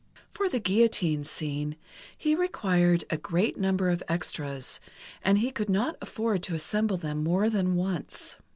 For the guillotine scene, he required a great number of extras, and he could not afford to assemble them more than once.